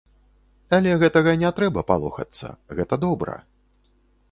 Але гэтага не трэба палохацца, гэта добра!